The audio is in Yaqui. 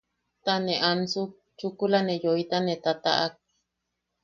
Ta ne ansuk, chukula ne yoita ne tataʼak.